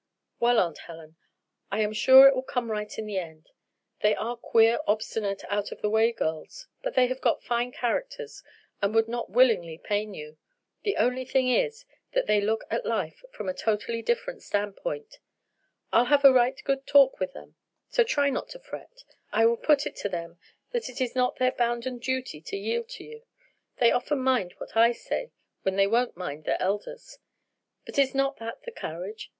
"Well, Aunt Helen, I am sure it will come right in the end. They are queer, obstinate, out of the way girls; but they have got fine characters, and would not willingly pain you. The only thing is that they look at life from a totally different standpoint. I'll have a right good talk with them, so try not to fret. I will put it to them that it is their bounden duty to yield to you. They often mind what I say when they won't mind their elders. But is not that the carriage?